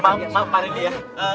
maaf pak rendy ya